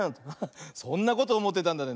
そんなことおもってたんだね。